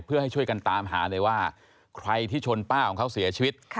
เพื่อให้ช่วยกันตามหาเลยว่าใครที่ชนป้าของเขาเสียชีวิต